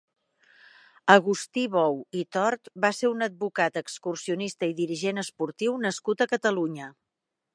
Agustí Bou i Tort va ser un advocat, excursionista i dirigent esportiu nascut a Catalunya.